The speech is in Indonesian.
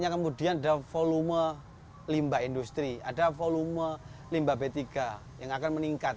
kemudian ada volume limbah industri ada volume limbah b tiga yang akan meningkat